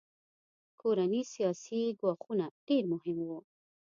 کورني سیاسي ګواښونه ډېر مهم وو.